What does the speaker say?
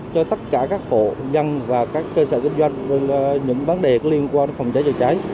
cho tất cả các hộ nhân và các cơ sở kinh doanh về những vấn đề liên quan phòng trái chữa trái